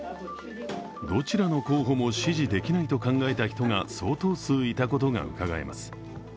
どちらの候補も支持できないと考えた人が相当数いたことがうかがえます。